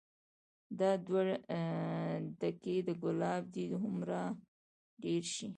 دا دوه ډکي د ګلاب دې هومره ډير شي